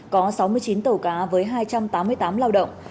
có sáu mươi chín tàu cá với hai trăm tám mươi tám lao động